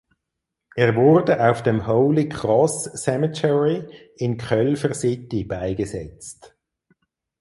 Er wurde auf dem Holy Cross Cemetery in Culver City beigesetzt.